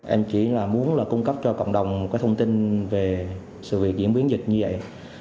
em chỉ là muốn là cung cấp cho cộng đồng một thông tin về sự việc diễn biến dịch như vậy